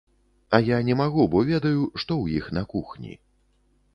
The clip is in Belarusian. А я не магу бо ведаю, што ў іх на кухні.